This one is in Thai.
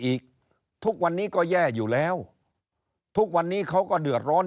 อีกทุกวันนี้ก็แย่อยู่แล้วทุกวันนี้เขาก็เดือดร้อน